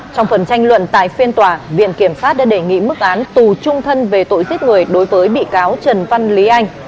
trong phần tranh luận tại phiên tòa viện kiểm sát đã đề nghị mức án tù trung thân về tội giết người đối với bị cáo trần văn lý anh